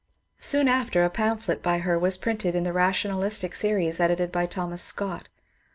Soon after a pamphlet by her was printed in the rationalistic series edited by Thomas Scott.